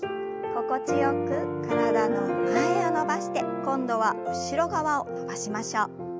心地よく体の前を伸ばして今度は後ろ側を伸ばしましょう。